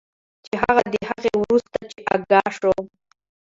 چې هغه د هغې وروسته چې آګاه شو